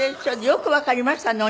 よくわかりましたね